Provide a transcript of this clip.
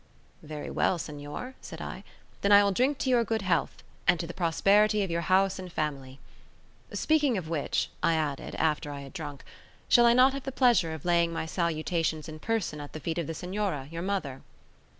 "Very well, Senor," said I; "then I will drink to your good health, and to the prosperity of your house and family. Speaking of which," I added, after I had drunk, "shall I not have the pleasure of laying my salutations in person at the feet of the Senora, your mother?"